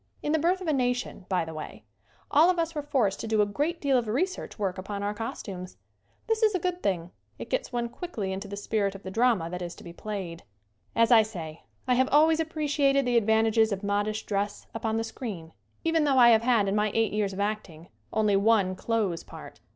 In "The Birth of a Nation," by the way, all of us were forced to do a great deal of research work upon our costumes. This is a good thing. It gets one quickly into the spirit of the drama that is to be played. 70 SCREEN ACTING As I say, I have always appreciated the ad vantages of modish dress upon the screen even though I have had in my eight years of acting only one "clothes" part.